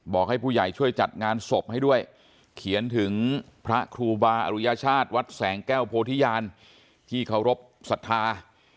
ให้ผู้ใหญ่ช่วยจัดงานศพให้ด้วยเขียนถึงพระครูบาอรุยชาติวัดแสงแก้วโพธิญาณที่เคารพสัทธา